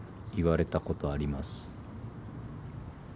言われたことあります。